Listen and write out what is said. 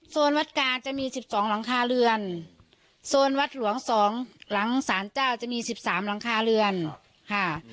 วัดกาจะมีสิบสองหลังคาเรือนโซนวัดหลวงสองหลังสารเจ้าจะมีสิบสามหลังคาเรือนค่ะ